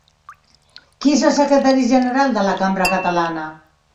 Qui és el secretari general de la cambra catalana?